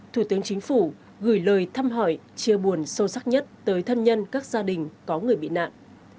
thủ tướng chính phủ gửi lời thăm hỏi chia buồn sâu sắc nhất tới thân nhân các gia đình có người bị nạn